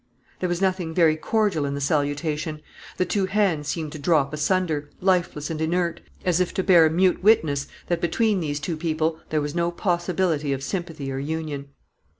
There was nothing very cordial in the salutation. The two hands seemed to drop asunder, lifeless and inert; as if to bear mute witness that between these two people there was no possibility of sympathy or union.